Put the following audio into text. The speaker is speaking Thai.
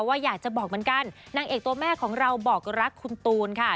อยากจะบอกเหมือนกันนางเอกตัวแม่ของเราบอกรักคุณตูนค่ะ